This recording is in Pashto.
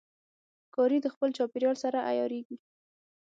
ښکاري د خپل چاپېریال سره عیارېږي.